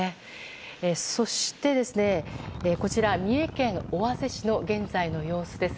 そして、こちら三重県尾鷲市の現在の様子です。